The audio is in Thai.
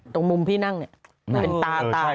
ตรงมุมพี่นั่งเนี่ย